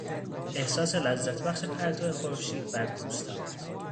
احساس لذتبخش پرتو خورشید بر پوستم